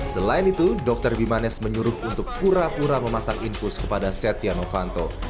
selain itu dokter bimanes menyuruh untuk pura pura memasang infus kepada setia novanto